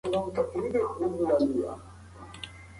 په اسلام کې د مشورې اصل ته ډېره پاملرنه کیږي.